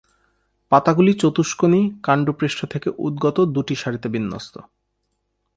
পাতাগুলি চতুষ্কোণী, কান্ডপৃষ্ঠ থেকে উদগত দুটি সারিতে বিন্যস্ত।